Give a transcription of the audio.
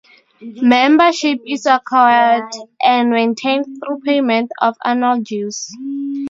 Membership is acquired and maintained through payment of annual dues.